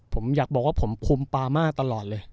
ผมอยากบอกว่าผมคุมปามาตลอดเลย